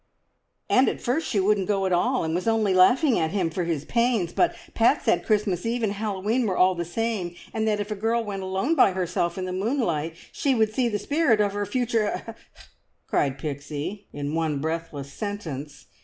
"And at first she wouldn't go at all, and was only laughing at him for his pains, but Pat said Christmas Eve and Hallowe'en were all the same, and that if a girl went alone by herself in the moonlight she would see the spirit of her future h " cried Pixie in one breathless sentence.